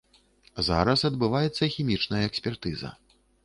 Зараз адбываецца хімічная экспертыза.